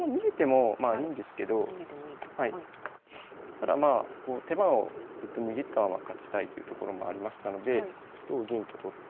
ただまあ手番をずっと握ったまま勝ちたいというところもありましたので同銀と取って。